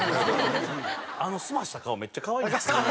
あの澄ました顔めっちゃ可愛くないですか？